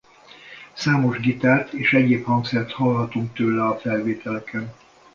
Számos gitárt és egyéb hangszert hallhatunk tőle a felvételeken.